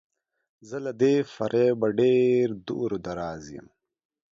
زه له دې فریبه ډیر دور او دراز یم.